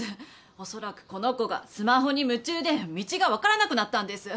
おそらくこの子がスマホに夢中で道が分からなくなったんです。